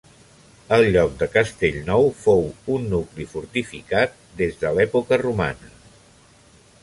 El lloc de Castellnou fou un nucli fortificat des d'època romana.